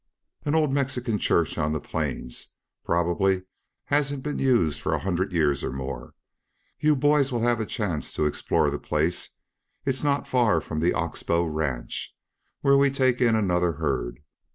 "An old Mexican church on the plains. Probably hasn't been used for a hundred years or more. You boys will have a chance to explore the place. It's not far from the Ox Bow ranch, where we take in another herd.